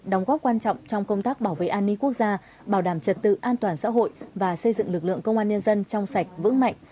đóng góp quan trọng trong công tác bảo vệ an ninh quốc gia bảo đảm trật tự an toàn xã hội và xây dựng lực lượng công an nhân dân trong sạch vững mạnh